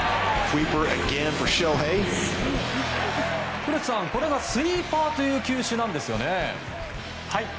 古田さん、これがスイーパーという球種なんですよね。